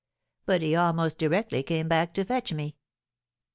But he almost directly came back to fetch me.